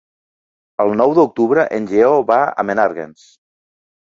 El nou d'octubre en Lleó va a Menàrguens.